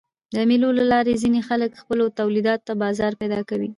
د مېلو له لاري ځيني خلک خپلو تولیداتو ته بازار پیدا کوي.